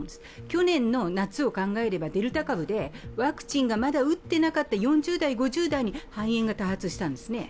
去年の夏を考えれば、デルタ株でワクチンがまだ打っていなかった４０代、５０代に肺炎が多発したんですね。